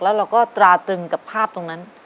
แล้วเราก็ตราตึงกับภาพตรงนั้น